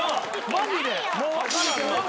マジで。